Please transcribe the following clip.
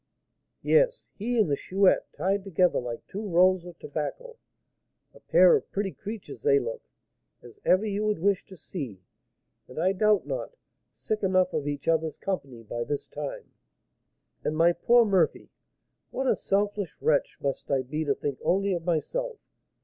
"Yes, he and the Chouette, tied together like two rolls of tobacco. A pair of pretty creatures they look, as ever you would wish to see, and, I doubt not, sick enough of each other's company by this time." "And my poor Murphy! What a selfish wretch must I be to think only of myself!